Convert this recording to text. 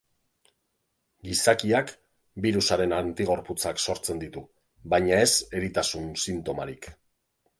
Gizakiak birusaren antigorputzak sortzen ditu, baina ez eritasun sintomarik.